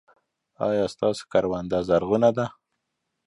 ایا ستاسو کرونده زرغونه ده؟